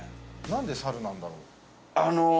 なんで猿なんだろう？